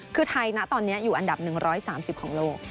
คือไทยนะตอนนี้อยู่อันดับ๑๓๐ของโลก